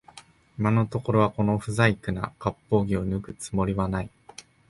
今のところはこの不細工な割烹着を脱ぐつもりはない